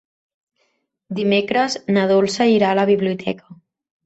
Dimecres na Dolça irà a la biblioteca.